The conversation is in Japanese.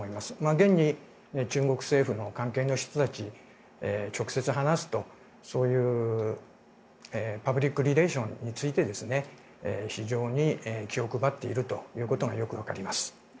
現に、中国政府の関係の人たちと直接話すとそういうパブリックリレーションについて非常に気を配っているということが分かります。